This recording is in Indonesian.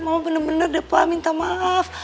mama bener bener deh minta maaf